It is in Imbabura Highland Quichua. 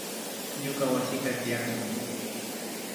Ñuka wasikan tikawan